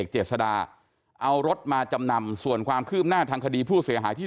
เจษดาเอารถมาจำนำส่วนความคืบหน้าทางคดีผู้เสียหายที่